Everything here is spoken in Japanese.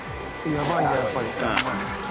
やばいんだやっぱり。